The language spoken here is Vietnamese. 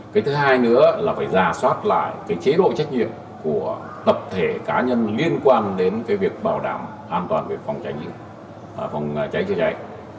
cái thứ hai nữa là phải giả soát lại cái chế độ trách nhiệm của tập thể cá nhân liên quan đến cái việc bảo đảm an toàn về phòng cháy cháy cháy